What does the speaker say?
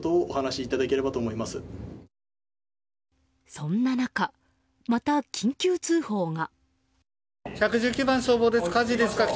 そんな中、また緊急通報が。